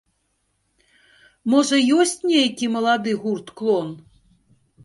Можа, ёсць нейкі малады гурт-клон?